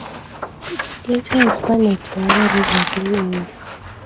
It later expanded to other regions in India.